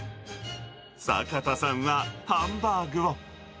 坂田さんはハンバーグを。